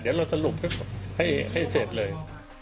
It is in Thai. เดี๋ยวเราสรุปให้เสร็จเลย